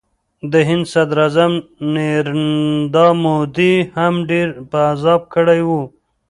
د هند صدراعظم نریندرا مودي هم ډېر په عذاب کړی و